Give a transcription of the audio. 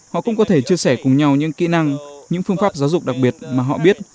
họ cũng có thể chia sẻ cùng nhau những kỹ năng những phương pháp giáo dục đặc biệt mà họ biết